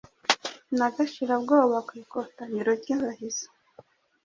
Na Gashira-bwoba, kwikotaniro ryabahizi